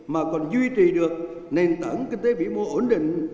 mà còn duy trì được nền tảng kinh tế vĩ mô ổn định